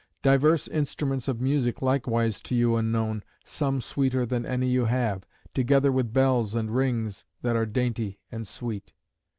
Divers instruments of music likewise to you unknown, some sweeter than any you have, together with bells and rings that are dainty and sweet.